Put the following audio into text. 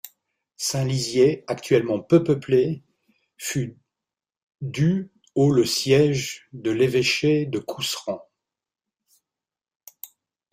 Saint-Lizier, actuellement peu peuplée, fut du au le siège de l'évêché du Couserans.